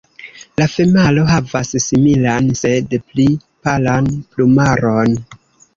La femalo havas similan, sed pli palan plumaron.